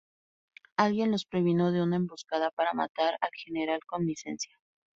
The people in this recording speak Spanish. Alguien los previno de una emboscada para matar al general con licencia.